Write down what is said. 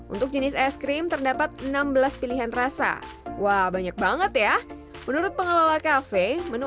untuk jenis es krim terdapat enam belas pilihan rasa wah banyak banget ya menurut pengelola kafe menu